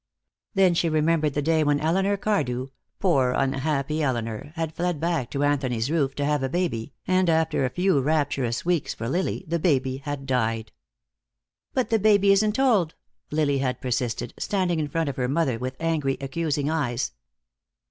Then she remembered the day when Elinor Cardew, poor unhappy Elinor, had fled back to Anthony's roof to have a baby, and after a few rapturous weeks for Lily the baby had died. "But the baby isn't old," Lily had persisted, standing in front of her mother with angry, accusing eyes.